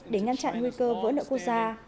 để ngăn chặn nguy cơ vỡ nợ quốc gia